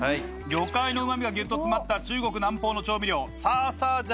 魚介のうまみがギュッと詰まった中国南方の調味料沙茶